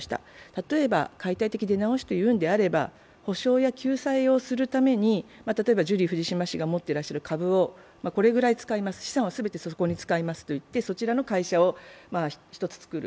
例えば解体的出直しというのであれば、補償や救済をするというのであれば、例えば、ジュリー藤島氏が持ってる株をこれぐらい使います、資産はすべてそこに使いますといってそちらの会社を１つ作る。